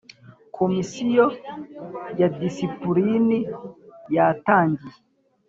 Komisiyo ya Disipulini yatangiye